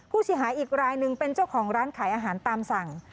ผู้เสียหายอีกรายหนึ่งเป็นเจ้าของร้านขายอาหารตามสั่ง